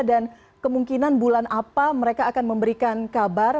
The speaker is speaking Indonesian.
dan kemungkinan bulan apa mereka akan memberikan kabar